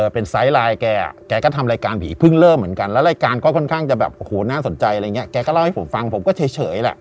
เป็นไซด์ไลน์แกแกก็ทำรายการผีเพิ่งเริ่มเหมือนกันแล้วรายการก็ค่อนข้างน่าสนใจแกก็เล่าให้ผมฟังผมก็เฉยแหละ